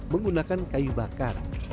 menggunakan kayu bakar